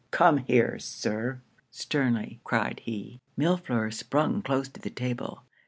'Come here, Sir!' sternly cried he. Millefleur sprung close to the table.